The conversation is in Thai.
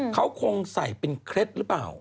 เขาคงใส่เป็นเคล็ดหรือเปล่า